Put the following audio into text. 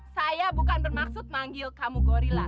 saya bukan bermaksud manggil kamu gorilla